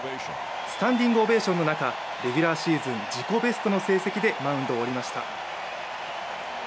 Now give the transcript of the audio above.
スタンディングオベーションの中レギュラーシーズン自己ベストの成績でマウンドを降りました。